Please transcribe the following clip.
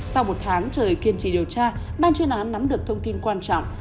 sau một tháng trời kiên trì điều tra ban chuyên án nắm được thông tin quan trọng